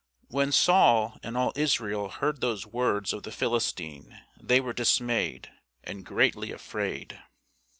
When Saul and all Israel heard those words of the Philistine, they were dismayed, and greatly afraid.